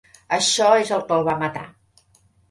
Això és el que el va matar.